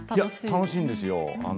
楽しいんですよ。